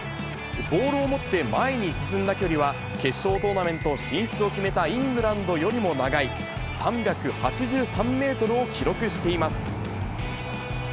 ボールを持って前に進んだ距離は、決勝トーナメント進出を決めたイングランドよりも長い３８３メートルを記録しています。